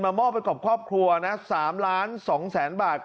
มอบไปกับครอบครัวนะ๓ล้าน๒แสนบาท